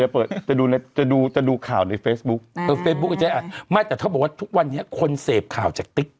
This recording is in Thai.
พอกับเฟซบุ๊กแล้ว